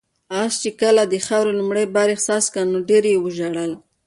آس چې کله د خاورو لومړی بار احساس کړ نو ډېر یې وژړل.